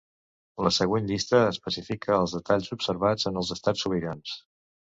La següent llista especifica els detalls observats en els Estats sobirans.